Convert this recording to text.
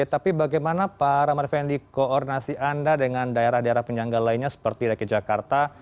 tapi bagaimana pak ramadan fendi koordinasi anda dengan daerah daerah penyangga lainnya seperti rakyat jakarta